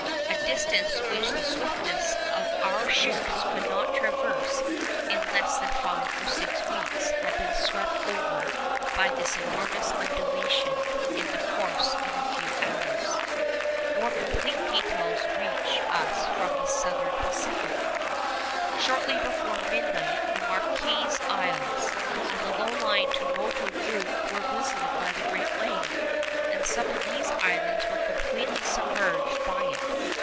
A distance which the swiftest of our ships could not traverse in less than five or six weeks had been swept over by this enormous undulation in the course of a few hours. More complete details reach us from the Southern Pacific. Shortly before midnight the Marquesas Isles and the low lying Tuamotu group were visited by the great wave, and some of these islands were completely submerged by it.